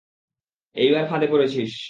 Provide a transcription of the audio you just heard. এইবার ফাঁদে পরেছিস।